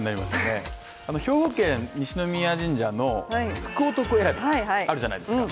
兵庫県西宮神社の福男選び、あるじゃないですか。